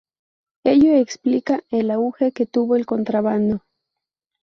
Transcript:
Ello explica el auge que tuvo el contrabando.